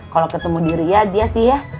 kalo ketemu diri dia sih ya